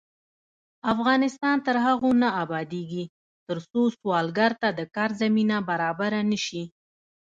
افغانستان تر هغو نه ابادیږي، ترڅو سوالګر ته د کار زمینه برابره نشي.